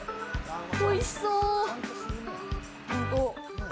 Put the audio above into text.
おいしそう。